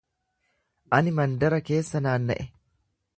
Ani mandara keessa naanna'e.